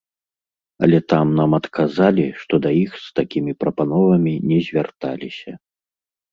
Але там нам адказалі, што да іх з такімі прапановамі не звярталіся.